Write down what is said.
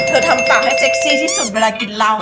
ทำปากให้เซ็กซี่ที่สุดเวลากินเหล้า